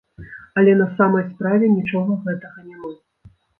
Але на самай справе нічога гэтага няма.